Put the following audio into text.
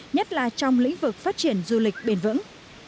nhất là trong lĩnh vực phát triển du lịch bền vững